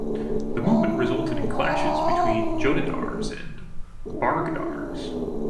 The movement resulted in clashes between Jotedars and Bargadars.